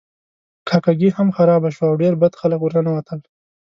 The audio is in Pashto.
کاکه ګي هم خرابه شوه او ډیر بد خلک ورننوتل.